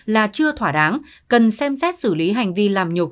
là chưa thỏa đáng cần xem xét xử lý hành vi làm nhục